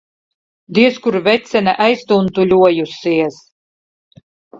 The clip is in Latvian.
Diez kur vecene aiztuntuļojusies.